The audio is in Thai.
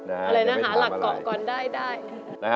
หาหลักเกาะก่อนได้